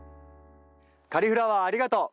カリ・フラワーありがとう。